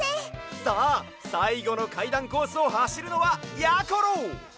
さあさいごのかいだんコースをはしるのはやころ！